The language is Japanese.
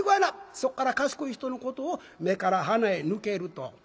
そっから賢い人のことを「目から鼻へ抜ける」と。